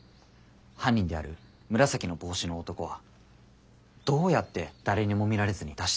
犯人である紫の帽子の男はどうやって誰にも見られずに脱出できたのか？